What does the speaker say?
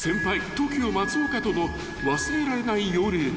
ＴＯＫＩＯ松岡との忘れられない夜］